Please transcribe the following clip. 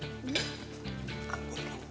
karena satu anggota rakyat anderer